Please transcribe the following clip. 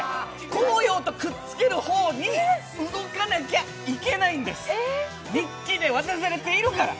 航洋とくっつける方に動かなきゃいけないんです、日記で渡されているから。